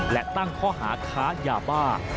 และตั้งข้อหาค้ายาบ้า